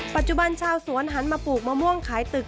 ปัจจุบันชาวสวนหันมาปลูกมะม่วงขายตึก